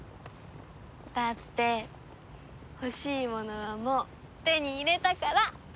だって欲しいものはもう手に入れたから！